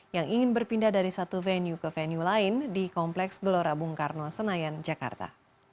yang ingin berpindah dari satu venue ke venue lain di kompleks gelora bung karno senayan jakarta